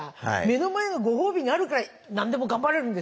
目の前のご褒美があるから何でも頑張れるんですよ。